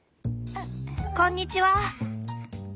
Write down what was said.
こんにちは。